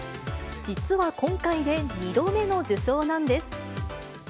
実は今回で２度目の受賞なんです。